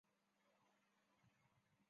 是世界上人口第二多的国家。